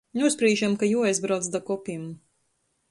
Nūsprīžam, ka juoaizbrauc da kopim.